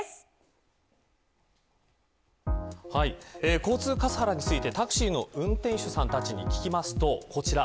交通カスハラについてタクシーの運転手さんたちに聞きますとこちら。